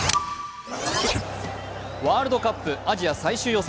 ワールドカップアジア最終予選。